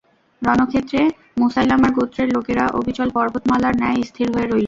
রণক্ষেত্রে মুসাইলামার গোত্রের লোকেরা অবিচল পর্বতমালার ন্যায় স্থির হয়ে রইল।